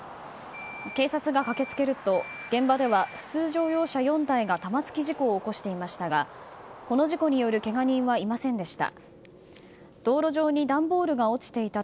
警察が駆けつけると、現場では普通乗用車４台が玉突き事故を起こしていましたがこの事故によるけが人はいませんでした。